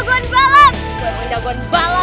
pergi dulu aja nal